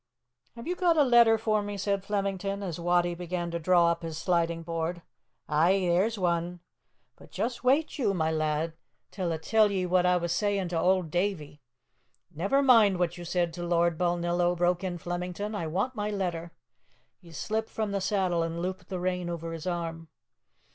"Have you got a letter for me?" said Flemington, as Wattie began to draw up his sliding board. "Ay, there's ane. But just wait you, ma lad, till a tell ye what a was sayin' to auld Davie " "Never mind what you said to Lord Balnillo," broke in Flemington; "I want my letter." He slipped from the saddle and looped the rein over his arm.